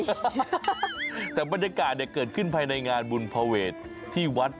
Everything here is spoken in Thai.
กุ๊ตต้องเขาอยากเต้นตามนะบางทีแต่